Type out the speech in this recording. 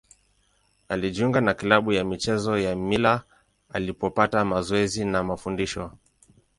Alijiunga na klabu ya michezo ya Mila alipopata mazoezi na mafundisho.